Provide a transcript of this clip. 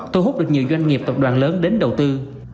thu hút được nhiều doanh nghiệp tập đoàn lớn đến đầu tư